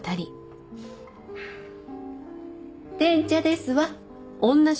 甜茶ですわ。